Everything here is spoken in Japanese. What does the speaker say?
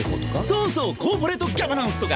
そうそうコーポレートガバナンスとか！